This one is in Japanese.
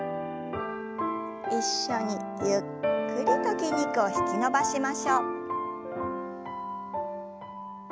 一緒にゆっくりと筋肉を引き伸ばしましょう。